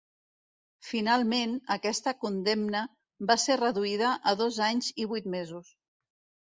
Finalment, aquesta condemna va ser reduïda a dos anys i vuit mesos.